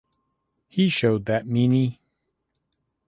He showed that meanie!